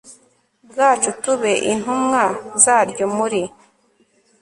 bwacu; tube intumwa zaryo muri